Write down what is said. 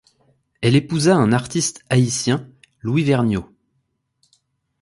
Elle épousa un artiste haïtien, Louis Vergniaud.